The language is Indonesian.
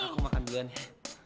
aku makan duluan ya